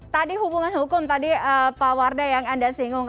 tadi hubungan hukum tadi pak wardah yang anda singgung